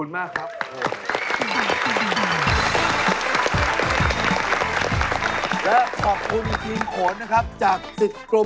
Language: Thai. ป้ายหนึ่งจะเป็นรูปรถตุ๊ก